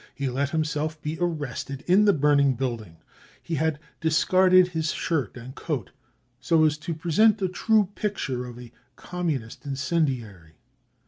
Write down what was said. He let himself be arrested in the burning building. He had discarded his shirt and coat so as to present a <c true picture 35 of a " Communist incendiary."